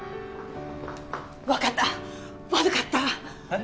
分かった悪かったえっ？